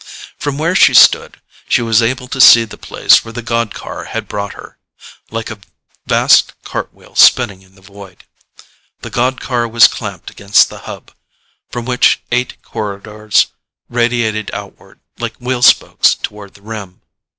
From where she stood, she was able to see the place where the god car had brought her like a vast cartwheel spinning in the void. The god car was clamped against the hub, from which eight corridors radiated outward like wheel spokes toward the rim.